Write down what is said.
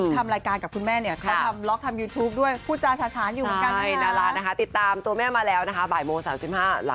น้าเอ๊ยยินตรงแล้วก็คุยกับกล้องปาติตามตัวแม่มา